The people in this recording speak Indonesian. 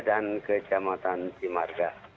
dan kejamatan simarga